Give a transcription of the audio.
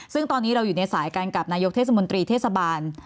ซึ่งตอนนี้เราอยู่ในสายกันกับนายกเทศมนตรีเทศบาล